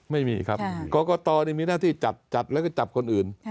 ไม่มีครับกรกตมีหน้าที่จัดแล้วก็จับคนอื่น